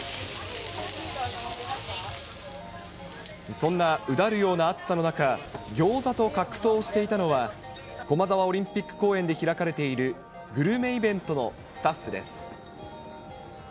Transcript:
そんなうだるような暑さの中、ギョーザと格闘していたのは、駒沢オリンピック公園で開かれているグルメイベントのスタッフです。